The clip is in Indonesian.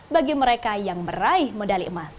bagi mereka yang meraih medali emas